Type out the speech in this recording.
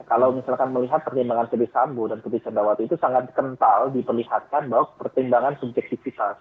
kalau misalkan melihat pertimbangan verdi sambo dan putri candrawati itu sangat kental diperlihatkan bahwa pertimbangan subjektivitas